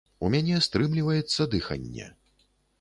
У мяне стрымліваецца дыханне.